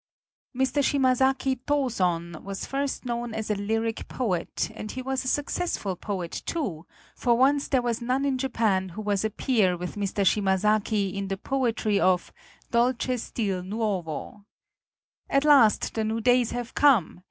Mr. Shimazaki Toson was first known as a lyric poet, and he was a successful poet, too, for once there was none in Japan who was a peer with Mr. Shimazaki in the poetry of dolce stil nuovo. "At last the new days have come!"